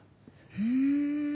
うん。